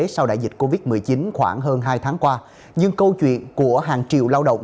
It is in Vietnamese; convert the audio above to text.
sau đại dịch covid một mươi chín khoảng hơn hai tháng qua nhưng câu chuyện của hàng triệu lao động